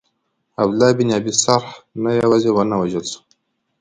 عبدالله بن ابی سرح نه یوازي ونه وژل سو.